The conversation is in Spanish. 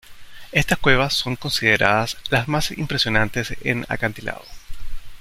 Estas cuevas son consideradas las más impresionante en acantilado.